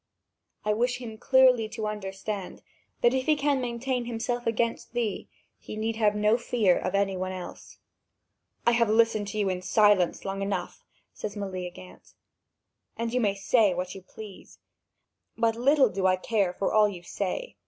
I wish him clearly to understand that, if he can maintain himself against thee, he need have no fear of any one else." "I have listened to you in silence long enough," says Meleagant, "and you may say what you please. But little do I care for all you say.